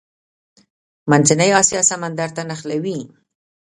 منځنۍ اسیا سمندر ته نښلوي.